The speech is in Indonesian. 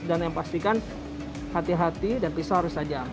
dan yang pastikan hati hati dan pisau harus tajam